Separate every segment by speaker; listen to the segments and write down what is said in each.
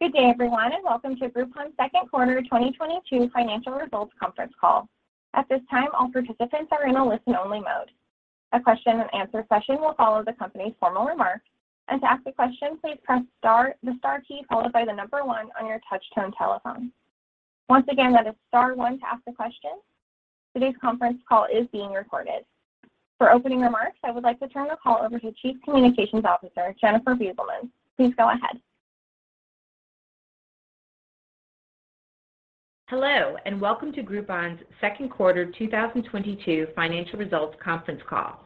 Speaker 1: Good day everyone, and Welcome to Groupon's Q2 2022 Financial Results Conference Call. At this time, all participants are in a listen-only mode. A question-and-answer session will follow the company's formal remarks, and to ask a question, please press the star key followed by the number one on your touch-tone telephone. Once again, that is star one to ask a question. Today's conference call is being recorded. For opening remarks, I would like to turn the call over to Chief Communications Officer Jennifer Beugelmans. Please go ahead.
Speaker 2: Hello, and welcome to Groupon's Q2 2022 financial results conference call.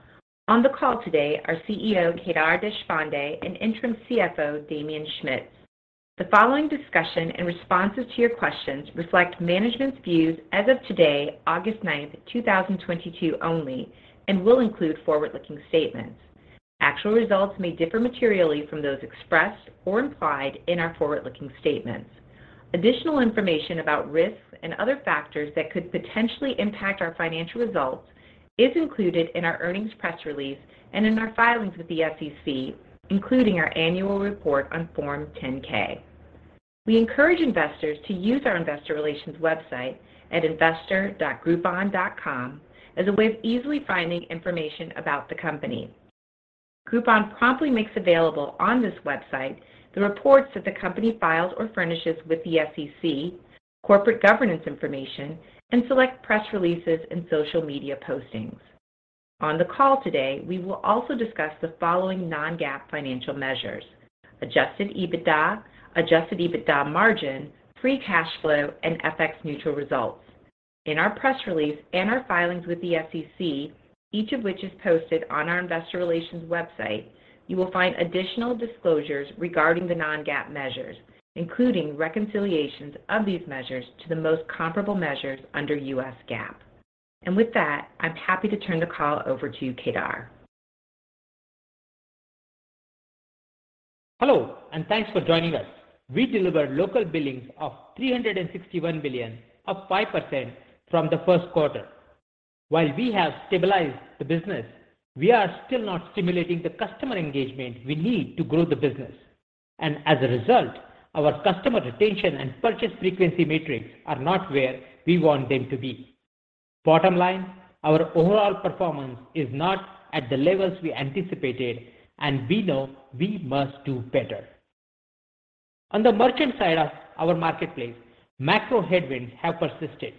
Speaker 2: On the call today are CEO Kedar Deshpande and interim CFO Damien Schmitz. The following discussion and responses to your questions reflect management's views as of today, 9 August 2022 only and will include forward-looking statements. Actual results may differ materially from those expressed or implied in our forward-looking statements. Additional information about risks and other factors that could potentially impact our financial results is included in our earnings press release and in our filings with the SEC, including our annual report on Form 10-K. We encourage investors to use our investor relations website at investor.groupon.com as a way of easily finding information about the company. Groupon promptly makes available on this website the reports that the company files or furnishes with the SEC, corporate governance information, and select press releases and social media postings. On the call today, we will also discuss the following non-GAAP financial measures, Adjusted EBITDA, Adjusted EBITDA margin, free cash flow, and FX neutral results. In our press release and our filings with the SEC, each of which is posted on our investor relations website, you will find additional disclosures regarding the non-GAAP measures, including reconciliations of these measures to the most comparable measures under U.S. GAAP. With that, I'm happy to turn the call over to you, Kedar.
Speaker 3: Hello, and thanks for joining us. We delivered local billings of $361 million, up 5% from the Q1. While we have stabilized the business, we are still not stimulating the customer engagement we need to grow the business. As a result, our customer retention and purchase frequency metrics are not where we want them to be. Bottom line, our overall performance is not at the levels we anticipated, and we know we must do better. On the merchant side of our marketplace, macro headwinds have persisted.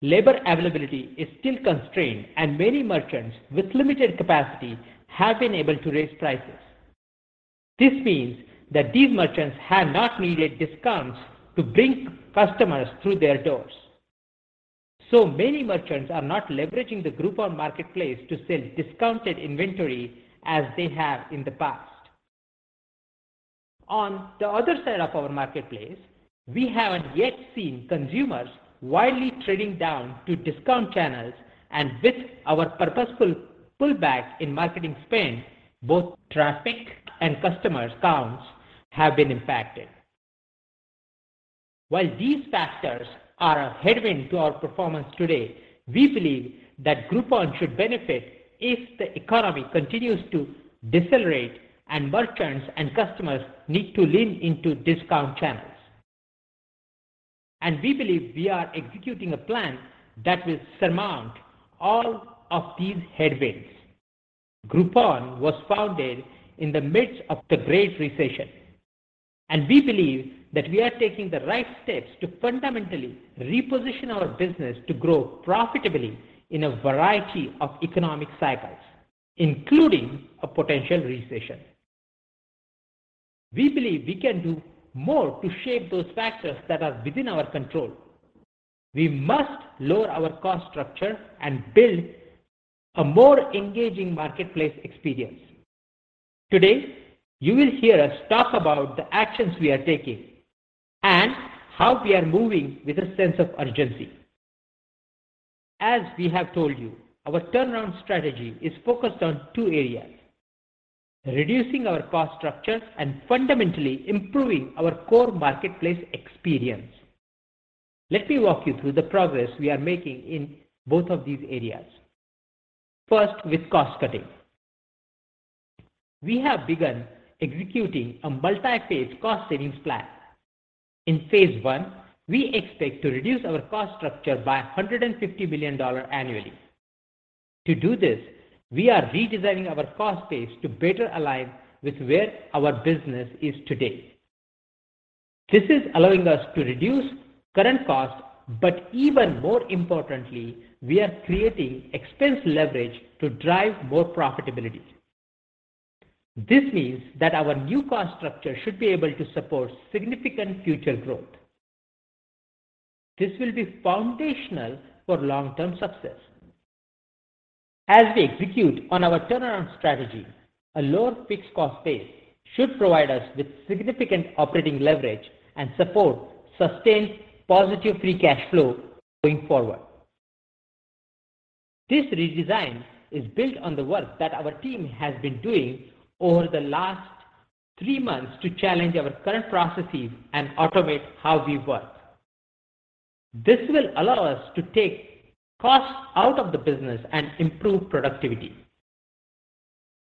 Speaker 3: Labor availability is still constrained and many merchants with limited capacity have been able to raise prices. This means that these merchants have not needed discounts to bring customers through their doors. Many merchants are not leveraging the Groupon marketplace to sell discounted inventory as they have in the past. On the other side of our marketplace, we haven't yet seen consumers widely trading down to discount channels, and with our purposeful pullback in marketing spend, both traffic and customer counts have been impacted. While these factors are a headwind to our performance today, we believe that Groupon should benefit if the economy continues to decelerate and merchants and customers need to lean into discount channels. We believe we are executing a plan that will surmount all of these headwinds. Groupon was founded in the midst of the Great Recession, and we believe that we are taking the right steps to fundamentally reposition our business to grow profitably in a variety of economic cycles, including a potential recession. We believe we can do more to shape those factors that are within our control. We must lower our cost structure and build a more engaging marketplace experience. Today, you will hear us talk about the actions we are taking and how we are moving with a sense of urgency. As we have told you, our turnaround strategy is focused on two areas: reducing our cost structure and fundamentally improving our core marketplace experience. Let me walk you through the progress we are making in both of these areas. First, with cost-cutting. We have begun executing a multi-phase cost savings plan. In phase one, we expect to reduce our cost structure by $150 million annually. To do this, we are redesigning our cost base to better align with where our business is today. This is allowing us to reduce current costs, but even more importantly, we are creating expense leverage to drive more profitability. This means that our new cost structure should be able to support significant future growth. This will be foundational for long-term success. As we execute on our turnaround strategy, a lower fixed cost base should provide us with significant operating leverage and support sustained positive free cash flow going forward. This redesign is built on the work that our team has been doing over the last three months to challenge our current processes and automate how we work. This will allow us to take costs out of the business and improve productivity.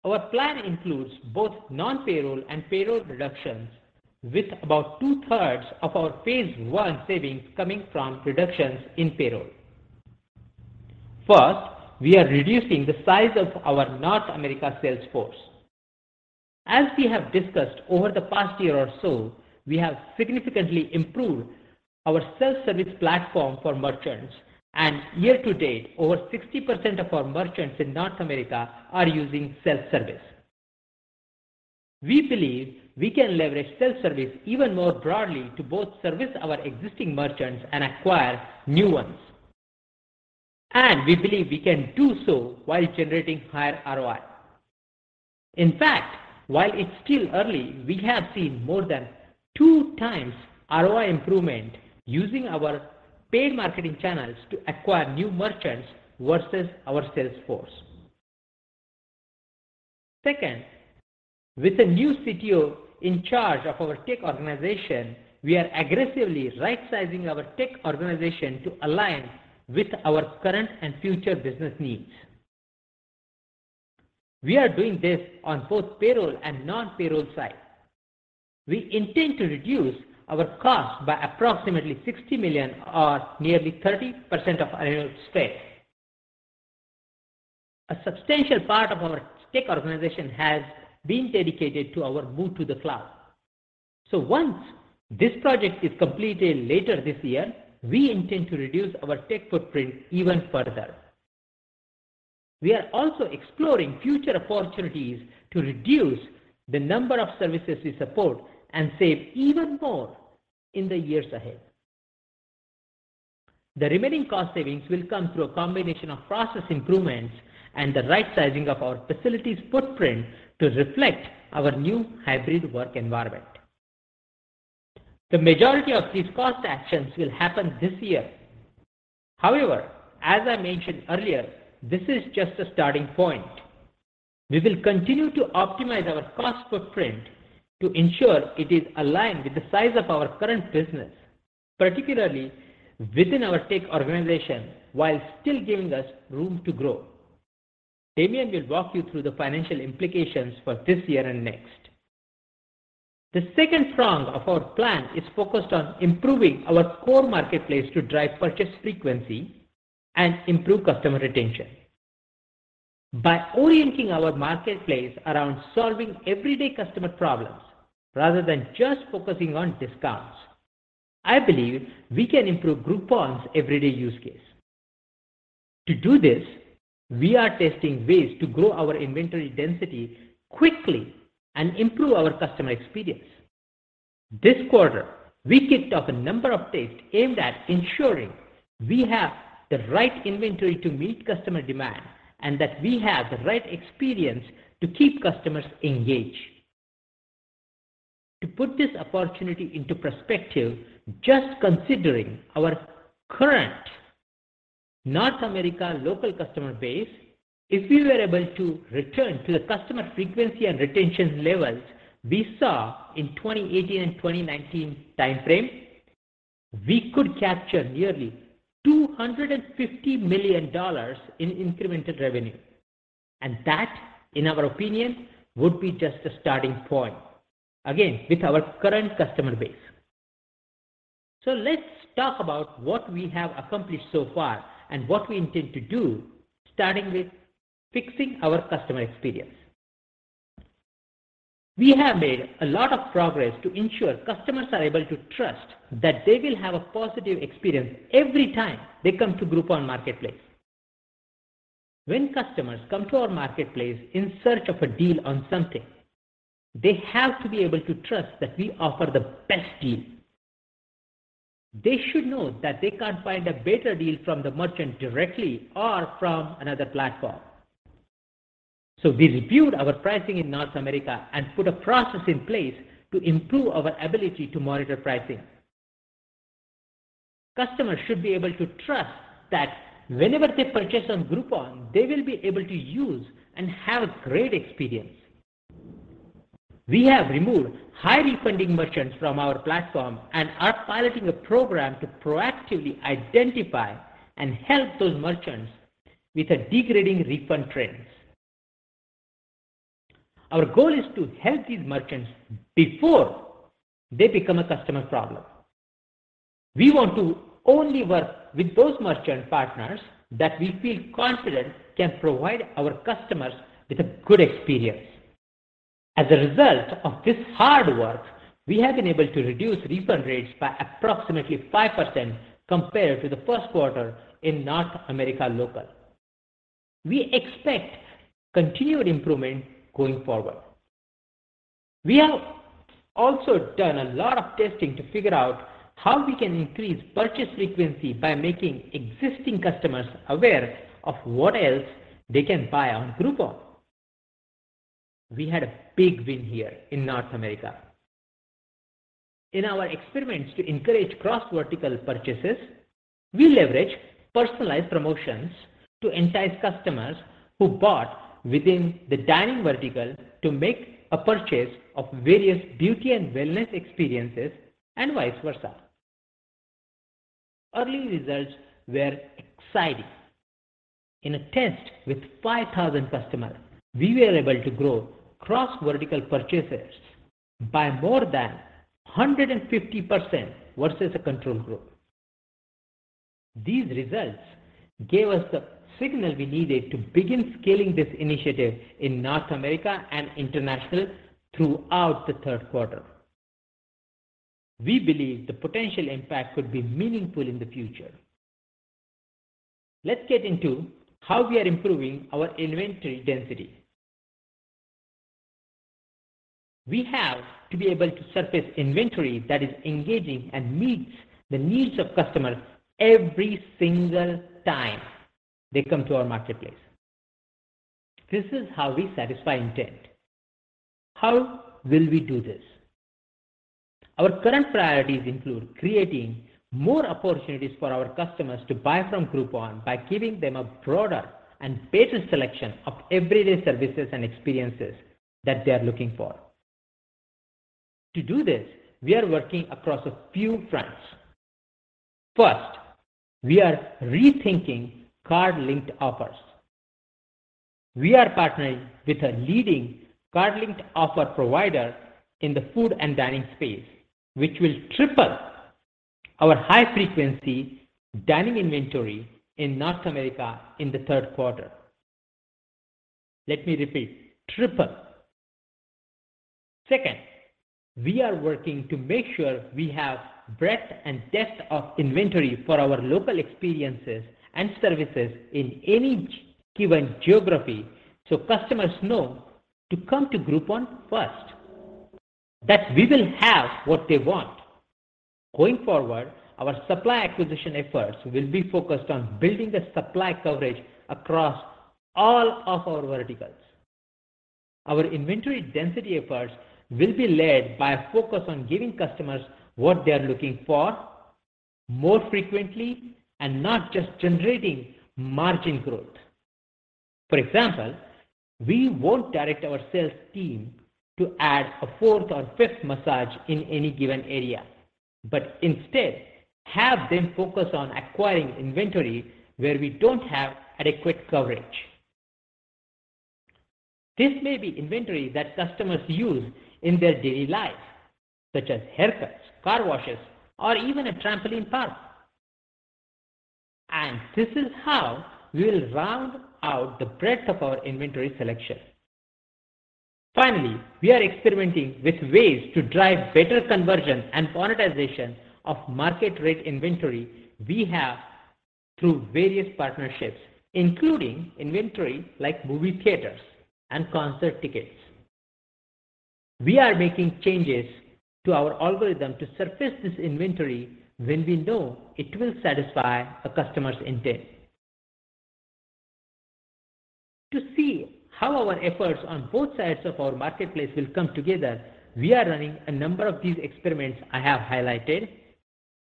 Speaker 3: Our plan includes both non-payroll and payroll reductions with about 2/3 of our Phase 1 savings coming from reductions in payroll. First, we are reducing the size of our North America sales force. As we have discussed over the past year or so, we have significantly improved our self-service platform for merchants and year-to-date over 60% of our merchants in North America are using self-service. We believe we can leverage self-service even more broadly to both service our existing merchants and acquire new ones, and we believe we can do so while generating higher ROI. In fact, while it's still early, we have seen more than 2x ROI improvement using our paid marketing channels to acquire new merchants versus our sales force. Second, with a new CTO in charge of our tech organization, we are aggressively rightsizing our tech organization to align with our current and future business needs. We are doing this on both payroll and non-payroll side. We intend to reduce our cost by approximately $60 million or nearly 30% of annual spend. A substantial part of our tech organization has been dedicated to our move to the cloud. Once this project is completed later this year, we intend to reduce our tech footprint even further. We are also exploring future opportunities to reduce the number of services we support and save even more in the years ahead. The remaining cost savings will come through a combination of process improvements and the rightsizing of our facilities footprint to reflect our new hybrid work environment. The majority of these cost actions will happen this year. However, as I mentioned earlier, this is just a starting point. We will continue to optimize our cost footprint to ensure it is aligned with the size of our current business, particularly within our tech organization, while still giving us room to grow. Damien will walk you through the financial implications for this year and next. The second prong of our plan is focused on improving our core marketplace to drive purchase frequency and improve customer retention. By orienting our marketplace around solving everyday customer problems rather than just focusing on discounts, I believe we can improve Groupon's everyday use case. To do this, we are testing ways to grow our inventory density quickly and improve our customer experience. This quarter, we kicked off a number of tests aimed at ensuring we have the right inventory to meet customer demand, and that we have the right experience to keep customers engaged. To put this opportunity into perspective, just considering our current North America local customer base, if we were able to return to the customer frequency and retention levels we saw in 2018 and 2019 timeframe, we could capture nearly $250 million in incremental revenue. That, in our opinion, would be just a starting point, again, with our current customer base. Let's talk about what we have accomplished so far and what we intend to do, starting with fixing our customer experience. We have made a lot of progress to ensure customers are able to trust that they will have a positive experience every time they come to Groupon marketplace. When customers come to our marketplace in search of a deal on something, they have to be able to trust that we offer the best deal. They should know that they can't find a better deal from the merchant directly or from another platform. We reviewed our pricing in North America and put a process in place to improve our ability to monitor pricing. Customers should be able to trust that whenever they purchase on Groupon, they will be able to use and have a great experience. We have removed high refunding merchants from our platform and are piloting a program to proactively identify and help those merchants with a degrading refund trend. Our goal is to help these merchants before they become a customer problem. We want to only work with those merchant partners that we feel confident can provide our customers with a good experience. As a result of this hard work, we have been able to reduce refund rates by approximately 5% compared to the Q1 in North America local. We expect continued improvement going forward. We have also done a lot of testing to figure out how we can increase purchase frequency by making existing customers aware of what else they can buy on Groupon. We had a big win here in North America. In our experiments to encourage cross-vertical purchases, we leverage personalized promotions to entice customers who bought within the dining vertical to make a purchase of various Beauty & Wellness experiences, and vice versa. Early results were exciting. In a test with 5,000 customers, we were able to grow cross-vertical purchases by more than 150% versus a control group. These results gave us the signal we needed to begin scaling this initiative in North America and international throughout the Q3. We believe the potential impact could be meaningful in the future. Let's get into how we are improving our inventory density. We have to be able to surface inventory that is engaging and meets the needs of customers every single time they come to our marketplace. This is how we satisfy intent. How will we do this? Our current priorities include creating more opportunities for our customers to buy from Groupon by giving them a broader and better selection of everyday services and experiences that they are looking for. To do this, we are working across a few fronts. First, we are rethinking card-linked offers. We are partnering with a leading card-linked offer provider in the food and dining space, which will triple our high-frequency dining inventory in North America in the Q3. Let me repeat, triple. Second, we are working to make sure we have breadth and depth of inventory for our local experiences and services in any given geography so customers know to come to Groupon first, that we will have what they want. Going forward, our supply acquisition efforts will be focused on building the supply coverage across all of our verticals. Our inventory density efforts will be led by a focus on giving customers what they are looking for more frequently and not just generating margin growth. For example, we won't direct our sales team to add a fourth or fifth massage in any given area, but instead have them focus on acquiring inventory where we don't have adequate coverage. This may be inventory that customers use in their daily life, such as haircuts, car washes, or even a trampoline park. This is how we will round out the breadth of our inventory selection. Finally, we are experimenting with ways to drive better conversion and monetization of market rate inventory we have through various partnerships, including inventory like movie theaters and concert tickets. We are making changes to our algorithm to surface this inventory when we know it will satisfy a customer's intent. To see how our efforts on both sides of our marketplace will come together, we are running a number of these experiments I have highlighted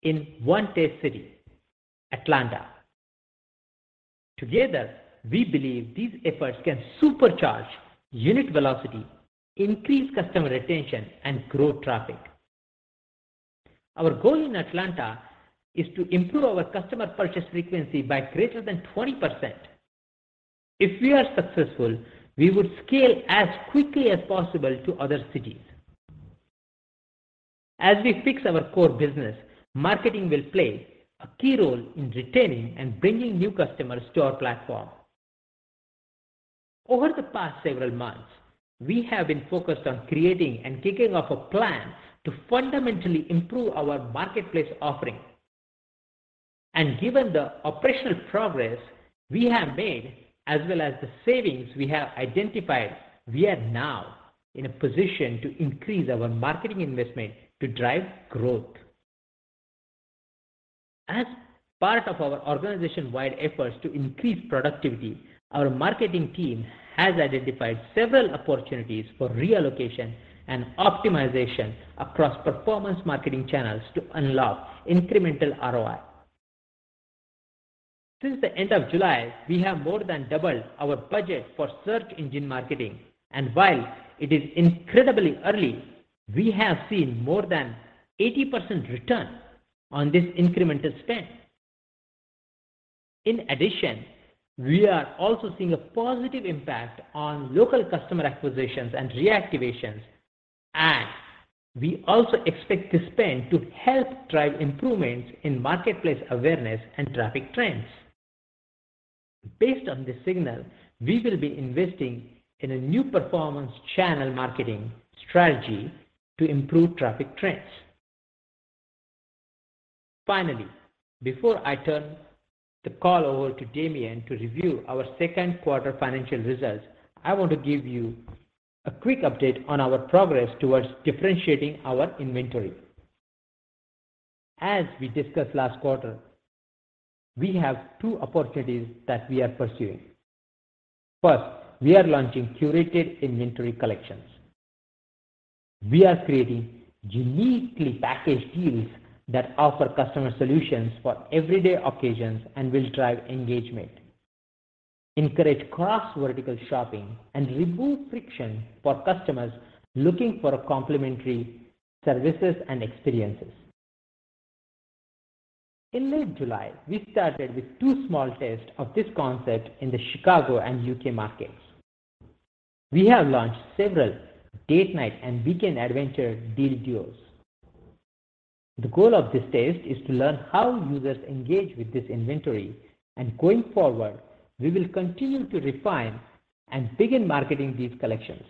Speaker 3: in one test city, Atlanta. Together, we believe these efforts can supercharge unit velocity, increase customer retention, and grow traffic. Our goal in Atlanta is to improve our customer purchase frequency by greater than 20%. If we are successful, we would scale as quickly as possible to other cities. As we fix our core business, marketing will play a key role in retaining and bringing new customers to our platform. Over the past several months, we have been focused on creating and kicking off a plan to fundamentally improve our marketplace offering. Given the operational progress we have made as well as the savings we have identified, we are now in a position to increase our marketing investment to drive growth. As part of our organization-wide efforts to increase productivity, our marketing team has identified several opportunities for reallocation and optimization across performance marketing channels to unlock incremental ROI. Since the end of July, we have more than doubled our budget for search engine marketing. While it is incredibly early, we have seen more than 80% return on this incremental spend. In addition, we are also seeing a positive impact on local customer acquisitions and reactivations, and we also expect this spend to help drive improvements in marketplace awareness and traffic trends. Based on this signal, we will be investing in a new performance channel marketing strategy to improve traffic trends. Finally, before I turn the call over to Damien to review our Q2 financial results, I want to give you a quick update on our progress towards differentiating our inventory. As we discussed last quarter, we have two opportunities that we are pursuing. First, we are launching curated inventory collections. We are creating uniquely packaged deals that offer customer solutions for everyday occasions and will drive engagement, encourage cross vertical shopping and remove friction for customers looking for complementary services and experiences. In late July, we started with two small tests of this concept in the Chicago and U.K. markets. We have launched several date night and weekend adventure deal duos. The goal of this test is to learn how users engage with this inventory, and going forward, we will continue to refine and begin marketing these collections.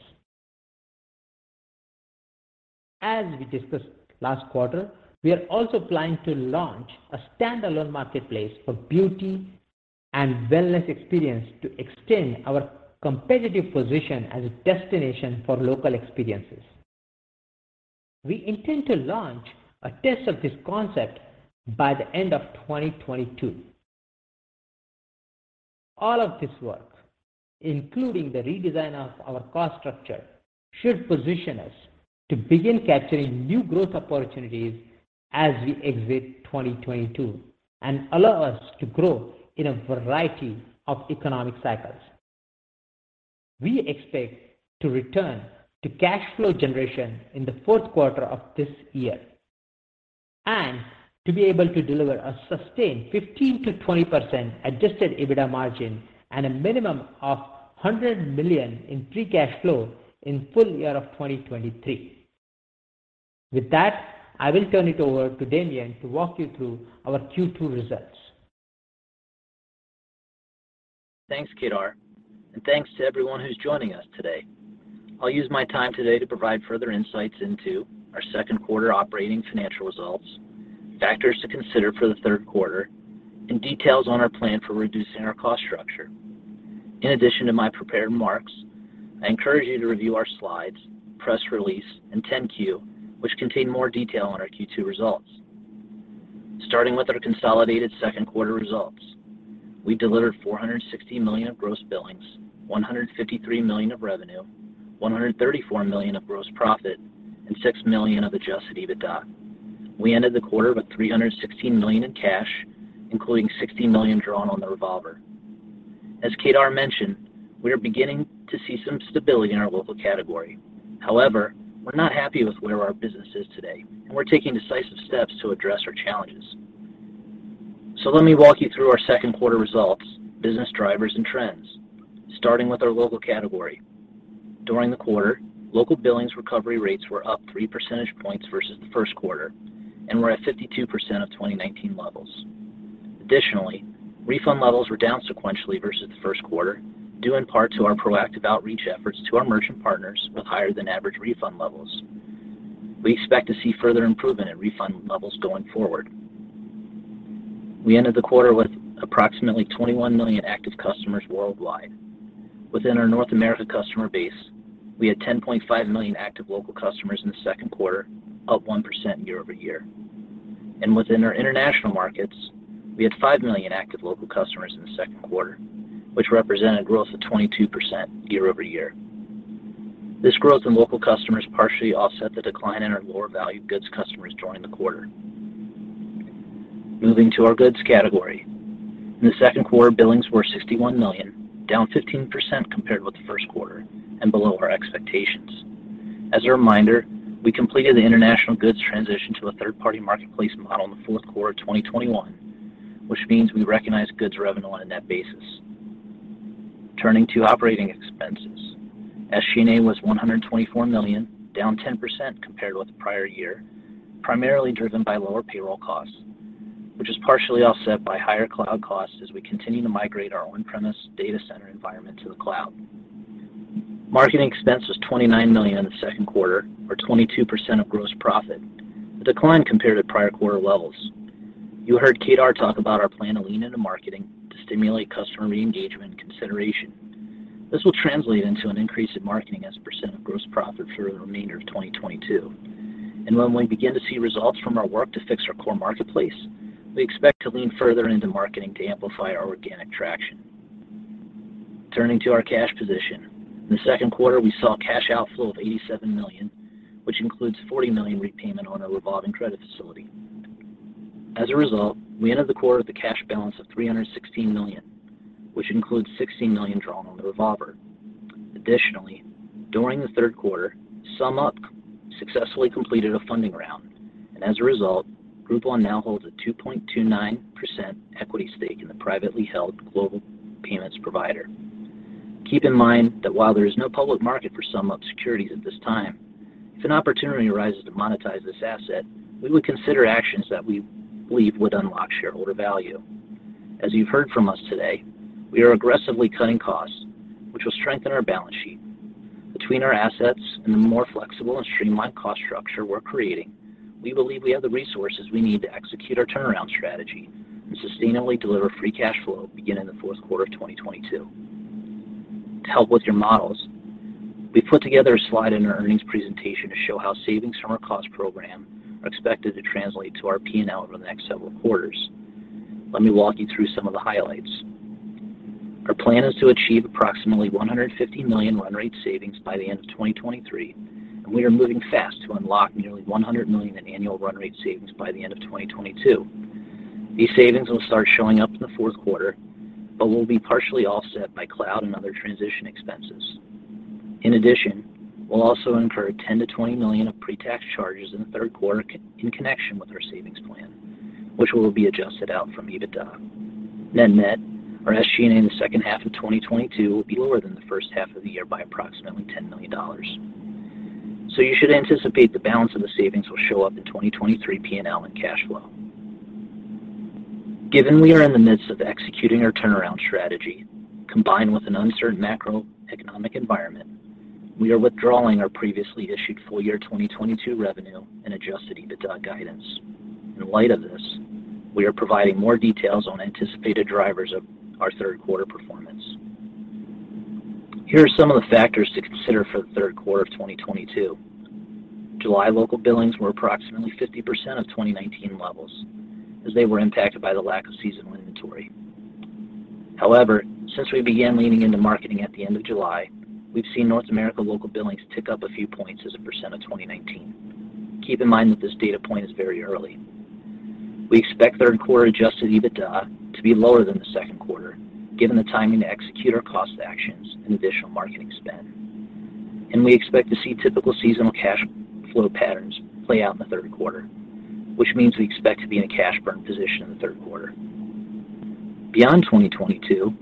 Speaker 3: As we discussed last quarter, we are also planning to launch a standalone marketplace for Beauty & Wellness experience to extend our competitive position as a destination for local experiences. We intend to launch a test of this concept by the end of 2022. All of this work, including the redesign of our cost structure, should position us to begin capturing new growth opportunities as we exit 2022 and allow us to grow in a variety of economic cycles. We expect to return to cash flow generation in the Q4 of this year and to be able to deliver a sustained 15%-20% Adjusted EBITDA margin and a minimum of $100 million in free cash flow in full year of 2023. With that, I will turn it over to Damien to walk you through our Q2 results.
Speaker 4: Thanks, Kedar, and thanks to everyone who's joining us today. I'll use my time today to provide further insights into our Q2 operating financial results, factors to consider for the Q3, and details on our plan for reducing our cost structure. In addition to my prepared remarks, I encourage you to review our slides, press release, and 10-Q, which contain more detail on our Q2 results. Starting with our consolidated Q2 results, we delivered $460 million of gross billings, $153 million of revenue, $134 million of gross profit, and $6 million of Adjusted EBITDA. We ended the quarter with $316 million in cash, including $60 million drawn on the revolver. As Kedar mentioned, we are beginning to see some stability in our local category. However, we're not happy with where our business is today, and we're taking decisive steps to address our challenges. Let me walk you through our Q2 results, business drivers, and trends, starting with our local category. During the quarter, local billings recovery rates were up three percentage points versus the Q1 and were at 52% of 2019 levels. Additionally, refund levels were down sequentially versus the Q1, due in part to our proactive outreach efforts to our merchant partners with higher than average refund levels. We expect to see further improvement in refund levels going forward. We ended the quarter with approximately 21 million active customers worldwide. Within our North America customer base, we had 10.5 million active local customers in the Q2, up 1% year-over-year. Within our international markets, we had five million active local customers in the Q2, which represented growth of 22% year-over-year. This growth in local customers partially offset the decline in our lower value goods customers during the quarter. Moving to our goods category. In the Q2, billings were $61 million, down 15% compared with the Q1 and below our expectations. As a reminder, we completed the international goods transition to a third-party marketplace model in the Q4 of 2021, which means we recognize goods revenue on a net basis. Turning to operating expenses. SG&A was $124 million, down 10% compared with the prior year, primarily driven by lower payroll costs, which is partially offset by higher cloud costs as we continue to migrate our on-premise data center environment to the cloud. Marketing expense was $29 million in the Q2, or 22% of gross profit, a decline compared to prior quarter levels. You heard Kedar talk about our plan to lean into marketing to stimulate customer reengagement and consideration. This will translate into an increase in marketing as a percent of gross profit for the remainder of 2022. When we begin to see results from our work to fix our core marketplace, we expect to lean further into marketing to amplify our organic traction. Turning to our cash position. In the Q2, we saw a cash outflow of $87 million, which includes $40 million repayment on our revolving credit facility. As a result, we ended the quarter with a cash balance of $316 million, which includes $60 million drawn on the revolver. Additionally, during the Q3, SumUp successfully completed a funding round, and as a result, Groupon now holds a 2.29% equity stake in the privately held global payments provider. Keep in mind that while there is no public market for SumUp securities at this time, if an opportunity arises to monetize this asset, we would consider actions that we believe would unlock shareholder value. As you've heard from us today, we are aggressively cutting costs, which will strengthen our balance sheet. Between our assets and the more flexible and streamlined cost structure we're creating, we believe we have the resources we need to execute our turnaround strategy and sustainably deliver free cash flow beginning the Q4 of 2022. To help with your models, we put together a slide in our earnings presentation to show how savings from our cost program are expected to translate to our P&L over the next several quarters. Let me walk you through some of the highlights. Our plan is to achieve approximately $150 million run rate savings by the end of 2023. We are moving fast to unlock nearly $100 million in annual run rate savings by the end of 2022. These savings will start showing up in the Q4 but will be partially offset by cloud and other transition expenses. In addition, we'll also incur $10 million-$20 million of pre-tax charges in the Q3 in connection with our savings plan, which will be adjusted out from EBITDA. Net net, our SG&A in the second half of 2022 will be lower than the first half of the year by approximately $10 million. You should anticipate the balance of the savings will show up in 2023 P&L and cash flow. Given we are in the midst of executing our turnaround strategy, combined with an uncertain macroeconomic environment, we are withdrawing our previously issued full-year 2022 revenue and Adjusted EBITDA guidance. In light of this, we are providing more details on anticipated drivers of our Q3 performance. Here are some of the factors to consider for the Q3 of 2022. July local billings were approximately 50% of 2019 levels as they were impacted by the lack of seasonal inventory. However, since we began leaning into marketing at the end of July, we've seen North America local billings tick up a few points as a percent of 2019. Keep in mind that this data point is very early. We expect Q3 Adjusted EBITDA to be lower than the Q2 given the timing to execute our cost actions and additional marketing spend. We expect to see typical seasonal cash flow patterns play out in the Q3, which means we expect to be in a cash burn position in the Q3. Beyond 2022,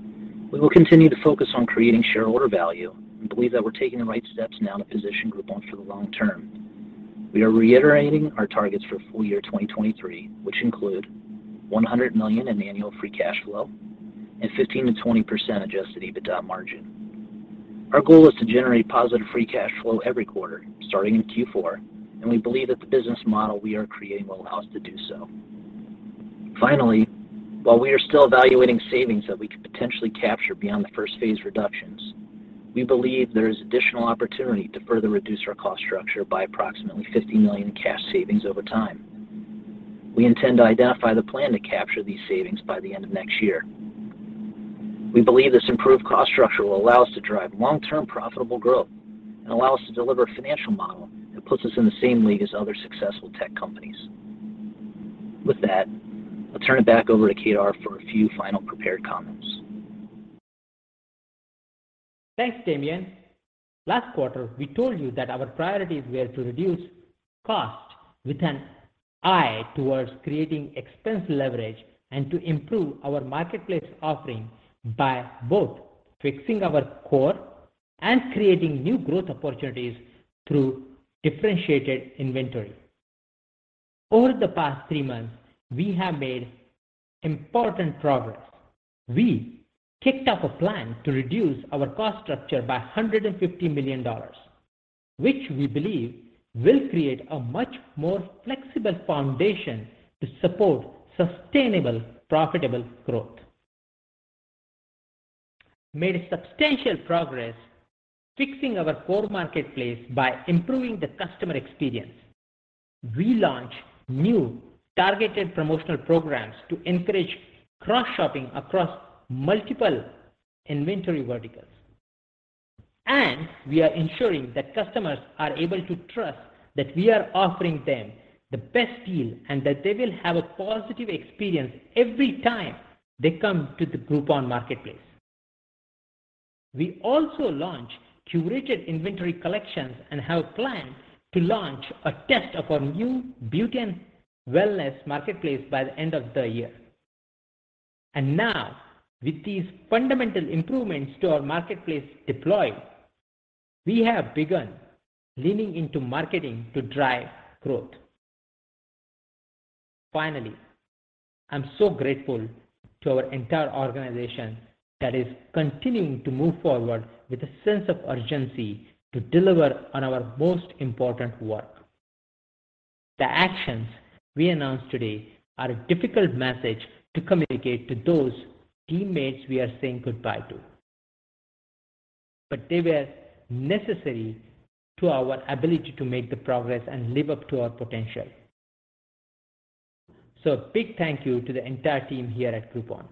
Speaker 4: we will continue to focus on creating shareholder value and believe that we're taking the right steps now to position Groupon for the long term. We are reiterating our targets for full year 2023, which include $100 million in annual free cash flow and 15%-20% Adjusted EBITDA margin. Our goal is to generate positive free cash flow every quarter, starting in Q4, and we believe that the business model we are creating will allow us to do so. Finally, while we are still evaluating savings that we could potentially capture beyond the first phase reductions, we believe there is additional opportunity to further reduce our cost structure by approximately $50 million in cash savings over time. We intend to identify the plan to capture these savings by the end of next year. We believe this improved cost structure will allow us to drive long-term profitable growth and allow us to deliver a financial model that puts us in the same league as other successful tech companies. With that, I'll turn it back over to Kedar for a few final prepared comments.
Speaker 3: Thanks, Damian. Last quarter, we told you that our priorities were to reduce cost with an eye towards creating expense leverage and to improve our marketplace offerings by both fixing our core and creating new growth opportunities through differentiated inventory. Over the past three months, we have made important progress. We kicked off a plan to reduce our cost structure by $150 million, which we believe will create a much more flexible foundation to support sustainable, profitable growth. Made substantial progress fixing our core marketplace by improving the customer experience. We launched new targeted promotional programs to encourage cross-shopping across multiple inventory verticals. We are ensuring that customers are able to trust that we are offering them the best deal and that they will have a positive experience every time they come to the Groupon marketplace. We also launched curated inventory collections and have plans to launch a test of our new Beauty & Wellness marketplace by the end of the year. Now, with these fundamental improvements to our marketplace deployed, we have begun leaning into marketing to drive growth. Finally, I'm so grateful to our entire organization that is continuing to move forward with a sense of urgency to deliver on our most important work. The actions we announced today are a difficult message to communicate to those teammates we are saying goodbye to. They were necessary to our ability to make the progress and live up to our potential. A big thank you to the entire team here at Groupon.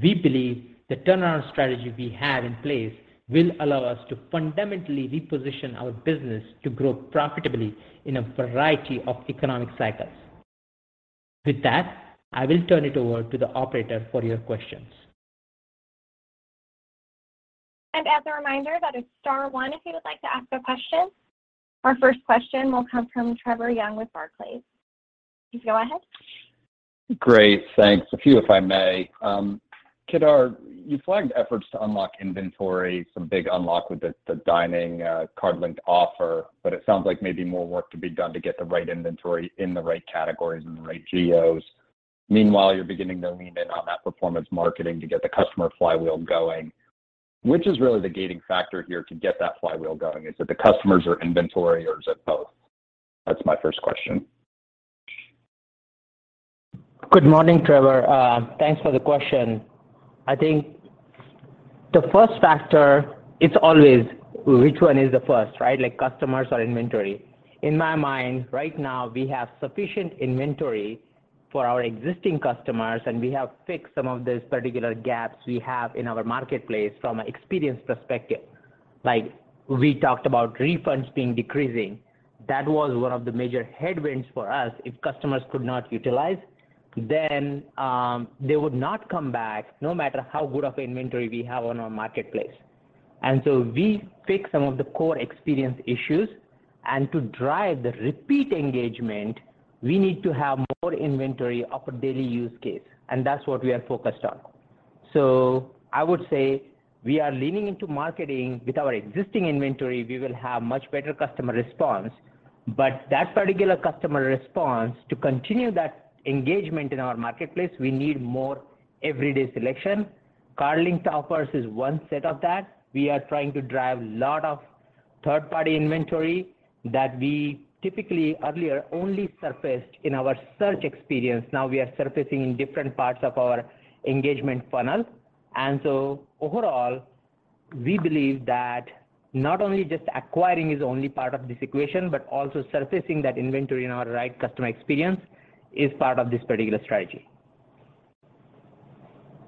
Speaker 3: We believe the turnaround strategy we have in place will allow us to fundamentally reposition our business to grow profitably in a variety of economic cycles. With that, I will turn it over to the operator for your questions.
Speaker 1: As a reminder, that is star one if you would like to ask a question. Our first question will come from Trevor Young with Barclays. Please go ahead.
Speaker 5: Great. Thanks. A few, if I may. Kedar, you flagged efforts to unlock inventory, some big unlock with the dining card-linked offer, but it sounds like maybe more work to be done to get the right inventory in the right categories and the right geos. Meanwhile, you're beginning to lean in on that performance marketing to get the customer flywheel going. Which is really the gating factor here to get that flywheel going? Is it the customers or inventory or is it both? That's my first question.
Speaker 3: Good morning, Trevor. Thanks for the question. I think the first factor is always which one is the first, right? Like, customers or inventory. In my mind right now, we have sufficient inventory for our existing customers, and we have fixed some of those particular gaps we have in our marketplace from an experience perspective. Like, we talked about refunds being decreasing. That was one of the major headwinds for us. If customers could not utilize, they would not come back, no matter how good of inventory we have on our marketplace. We fixed some of the core experience issues. To drive the repeat engagement, we need to have more inventory of a daily use case, and that's what we are focused on. I would say we are leaning into marketing. With our existing inventory, we will have much better customer response. That particular customer response, to continue that engagement in our marketplace, we need more everyday selection. Card-linked offers is one set of that. We are trying to drive a lot of third-party inventory that we typically earlier only surfaced in our search experience. Now we are surfacing in different parts of our engagement funnel. Overall, we believe that not only just acquiring is only part of this equation, but also surfacing that inventory in our right customer experience is part of this particular strategy.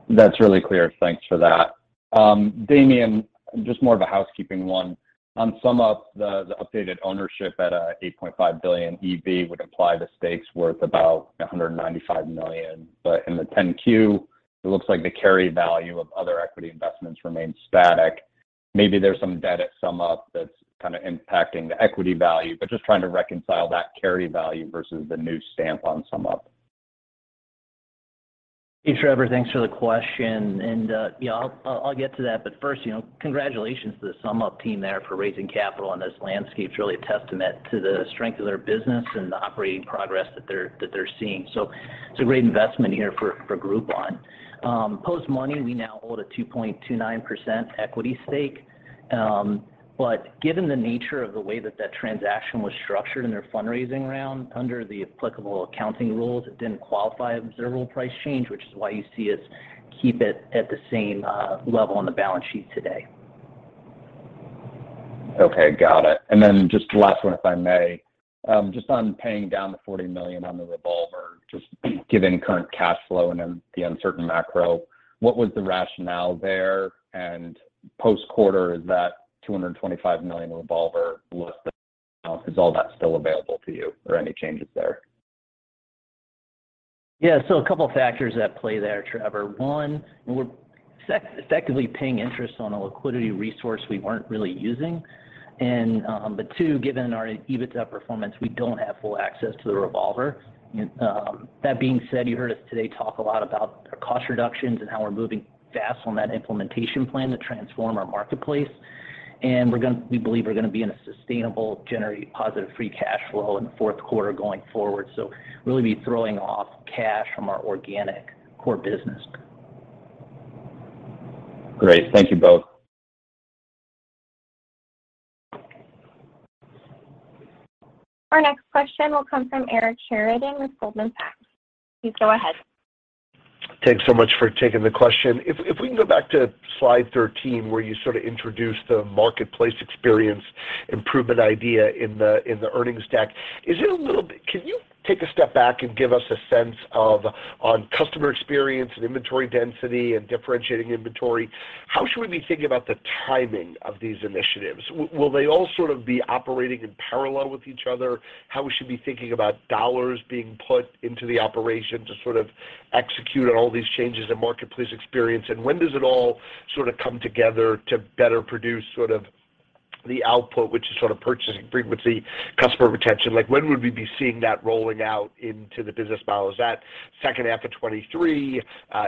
Speaker 5: That's really clear. Thanks for that. Damien, just more of a housekeeping one. On SumUp, the updated ownership at $8.5 billion EV would imply the stake's worth about $195 million. In the 10-Q, it looks like the carry value of other equity investments remains static. Maybe there's some debt at SumUp that's kinda impacting the equity value, but just trying to reconcile that carry value versus the new stamp on SumUp.
Speaker 4: Sure, Trevor. Thanks for the question. Yeah, I'll get to that. First, you know, congratulations to the SumUp team there for raising capital on this landscape. It's really a testament to the strength of their business and the operating progress that they're seeing. It's a great investment here for Groupon. Post-money, we now hold a 2.29% equity stake. Given the nature of the way that transaction was structured in their fundraising round, under the applicable accounting rules, it didn't qualify observable price change, which is why you see us keep it at the same level on the balance sheet today.
Speaker 5: Okay. Got it. Just the last one, if I may. Just on paying down the $40 million on the revolver, just given current cash flow and then the uncertain macro, what was the rationale there? Post-quarter, is that $225 million revolver less than? Is all that still available to you? Are there any changes there?
Speaker 4: Yeah. A couple factors at play there, Trevor. One, we're effectively paying interest on a liquidity resource we weren't really using. Two, given our EBITDA performance, we don't have full access to the revolver. That being said, you heard us today talk a lot about our cost reductions and how we're moving fast on that implementation plan to transform our marketplace. We believe we're gonna be in a position to generate positive free cash flow in the Q4 going forward. Really be throwing off cash from our organic core business.
Speaker 5: Great. Thank you both.
Speaker 1: Our next question will come from Eric Sheridan with Goldman Sachs. Please go ahead.
Speaker 6: Thanks so much for taking the question. If we can go back to Slide 13, where you sort of introduced the marketplace experience improvement idea in the earnings deck. Can you take a step back and give us a sense of on customer experience and inventory density and differentiating inventory, how should we be thinking about the timing of these initiatives? Will they all sort of be operating in parallel with each other? How should we be thinking about dollars being put into the operation to sort of execute on all these changes in marketplace experience, and when does it all sort of come together to better produce sort of the output, which is sort of purchasing frequency, customer retention? Like, when would we be seeing that rolling out into the business model? Is that second half of 2023,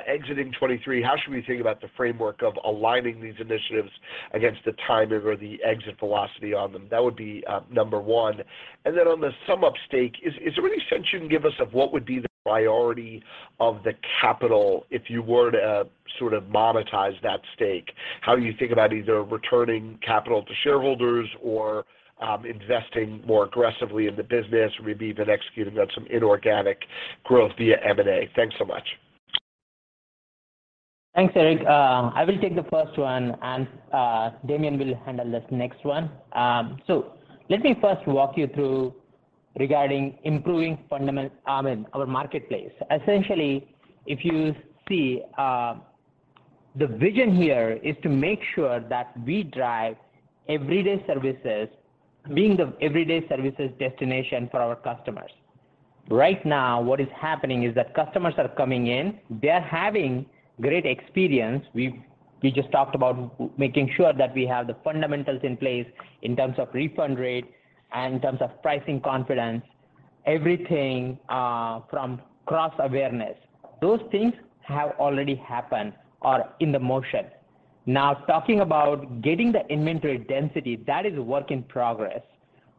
Speaker 6: exiting 2023. How should we think about the framework of aligning these initiatives against the timing or the exit velocity on them? That would be, number one. On the SumUp stake, is there any sense you can give us of what would be the priority of the capital if you were to sort of monetize that stake? How do you think about either returning capital to shareholders or, investing more aggressively in the business, maybe even executing on some inorganic growth via M&A? Thanks so much.
Speaker 3: Thanks, Eric. I will take the first one, and Damien will handle the next one. Let me first walk you through regarding improving I mean, our marketplace. Essentially, if you see, the vision here is to make sure that we drive everyday services being the everyday services destination for our customers. Right now, what is happening is that customers are coming in, they're having great experience. We just talked about making sure that we have the fundamentals in place in terms of refund rate and in terms of pricing confidence, everything, from cross-awareness. Those things have already happened or in the motion. Now, talking about getting the inventory density, that is work in progress,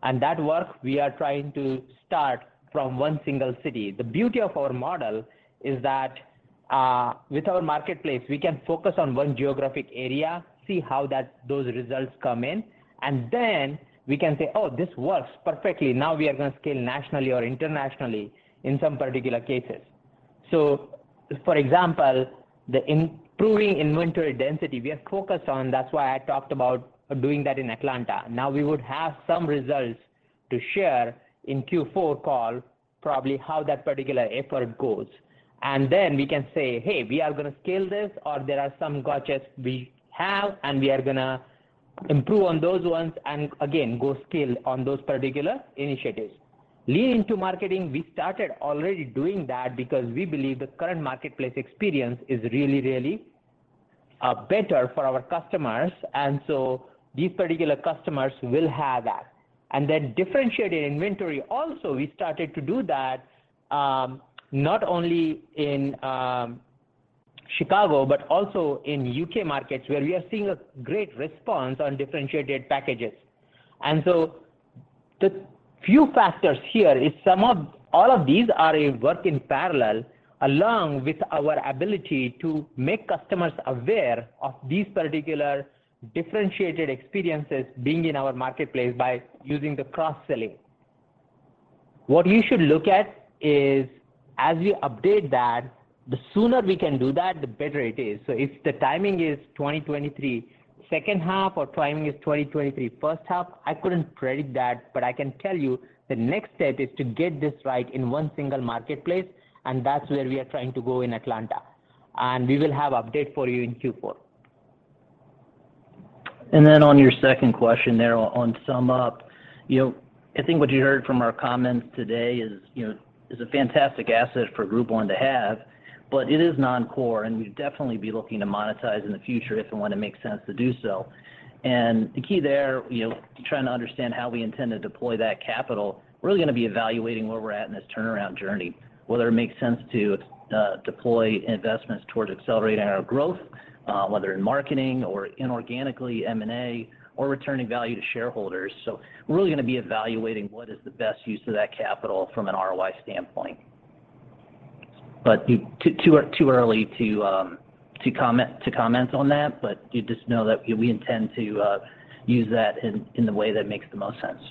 Speaker 3: and that work we are trying to start from one single city. The beauty of our model is that, with our marketplace, we can focus on one geographic area, see how that, those results come in, and then we can say, "Oh, this works perfectly. Now we are gonna scale nationally or internationally in some particular cases." For example, the improving inventory density we are focused on, that's why I talked about doing that in Atlanta. Now we would have some results to share in Q4 call probably how that particular effort goes. Then we can say, "Hey, we are gonna scale this," or there are some gotchas we have, and we are gonna improve on those ones and again, go scale on those particular initiatives. Lean into marketing, we started already doing that because we believe the current marketplace experience is really, really, better for our customers. These particular customers will have that. Differentiated inventory also, we started to do that, not only in Chicago, but also in U.K. markets where we are seeing a great response on differentiated packages. The few factors here is all of these are work in parallel along with our ability to make customers aware of these particular differentiated experiences being in our marketplace by using the cross-selling. What you should look at is as we update that, the sooner we can do that, the better it is. If the timing is 2023 second half or timing is 2023 first half, I couldn't predict that, but I can tell you the next step is to get this right in one single marketplace, and that's where we are trying to go in Atlanta. We will have update for you in Q4.
Speaker 4: Then on your second question there on SumUp, you know, I think what you heard from our comments today is, you know, is a fantastic asset for Groupon to have, but it is non-core, and we'd definitely be looking to monetize in the future if and when it makes sense to do so. The key there, you know, trying to understand how we intend to deploy that capital, really gonna be evaluating where we're at in this turnaround journey, whether it makes sense to deploy investments towards accelerating our growth, whether in marketing or inorganically M&A or returning value to shareholders. Really gonna be evaluating what is the best use of that capital from an ROI standpoint. Too early to comment on that, but you just know that we intend to use that in the way that makes the most sense.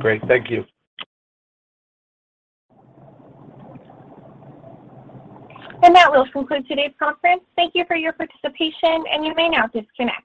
Speaker 6: Great. Thank you.
Speaker 1: That will conclude today's conference. Thank you for your participation, and you may now disconnect.